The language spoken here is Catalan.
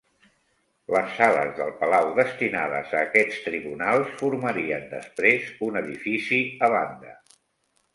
Les sales del palau destinades a aquests tribunals formarien després un edifici a banda.